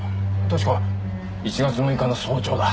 確か１月６日の早朝だ。